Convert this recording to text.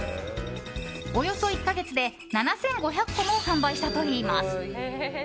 およそ１か月で７５００個も販売したといいます。